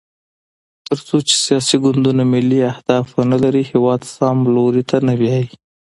تر څو چې سیاسي ګوندونه ملي اهداف ونلري، هېواد سم لوري ته نه بیايي.